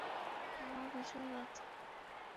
আমার বিজয় রথ!